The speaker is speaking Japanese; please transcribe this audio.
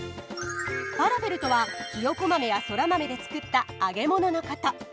ファラフェルとはひよこ豆やそら豆で作った揚げ物のこと。